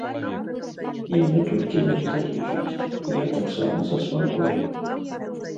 Я не толькі за незалежнасць, я таксама за свабоду.